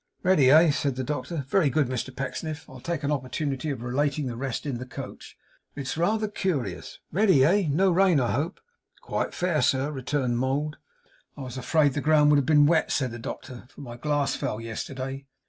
'Ready, eh?' said the doctor. 'Very good, Mr Pecksniff, I'll take an opportunity of relating the rest in the coach. It's rather curious. Ready, eh? No rain, I hope?' 'Quite fair, sir,' returned Mould. 'I was afraid the ground would have been wet,' said the doctor, 'for my glass fell yesterday.